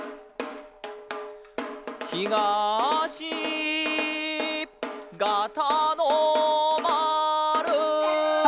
ひがしガタのまる！